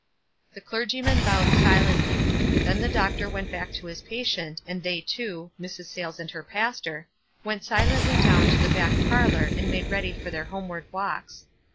The clergyman bowed silently. Then the doctor went back to his patient, and they two, Mrs. Sayles and her pastor, went silently down to the back parlor and made ready for their homeward walks.